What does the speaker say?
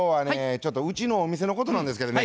ちょっとうちのお店のことなんですけどね。